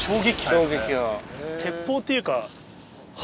鉄砲っていうか。